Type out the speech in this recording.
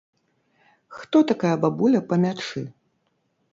Хто такая бабуля па мячы?